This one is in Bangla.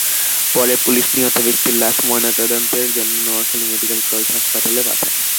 পরে পুলিশ নিহত ব্যক্তির লাশ ময়নাতদন্তের জন্য নোয়াখালী মেডিকেল কলেজ হাসপাতালে পাঠায়।